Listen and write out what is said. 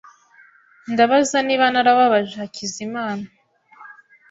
Ndabaza niba narababaje Hakizimana .